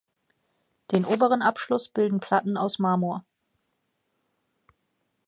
Den oberen Abschluss bilden Platten aus Marmor.